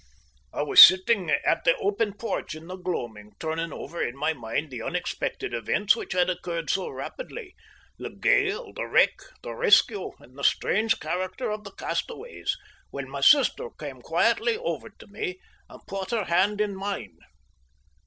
I was sitting at the open porch in the gloaming, turning over in my mind the unexpected events which had occurred so rapidly the gale, the wreck, the rescue, and the strange character of the castaways when my sister came quietly over to me and put her hand in mine.